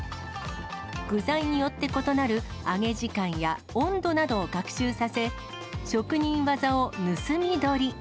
具材によって異なる揚げ時間や温度などを学習させ、職人技を盗み取り。